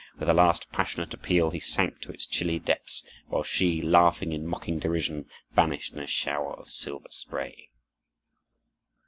With a last passionate appeal he sank to its chilly depths, while she, laughing in mocking derision, vanished in a shower of silver spray.